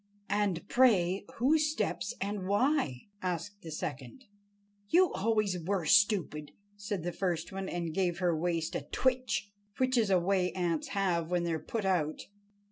"And, pray, whose steps, and why?" asked the second. "You always were stupid," said the first one, and gave her waist a twitch—which is a way ants have when they are put out.